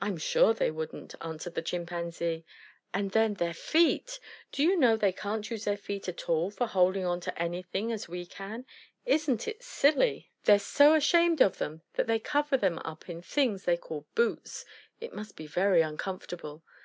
"I'm sure they wouldn't," answered the Chimpanzee. "And then their feet! Do you know they can't use their feet at all for holding on to anything as we can? Isn't it silly? They're so ashamed of them that they cover them up in things they call boots; it must be very uncomfortable."